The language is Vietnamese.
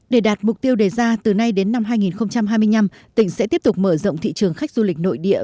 để đạt mục tiêu đề ra từ nay đến năm hai nghìn hai mươi năm tỉnh sẽ tiếp tục mở rộng thị trường khách du lịch nội địa